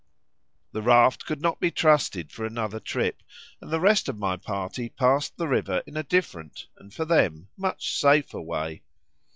The raft could not be trusted for another trip, and the rest of my party passed the river in a different and (for them) much safer way.